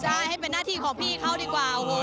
ใช่ให้เป็นหน้าที่ของพี่เขาดีกว่าโอ้โห